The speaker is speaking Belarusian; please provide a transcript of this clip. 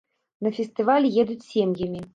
На фестываль едуць сем'ямі.